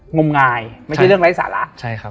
งมงายไม่ใช่เรื่องไร้สาระ